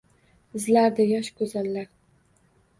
Izlardi yosh go’zallar.